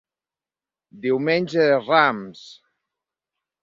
Diumenge de Rams!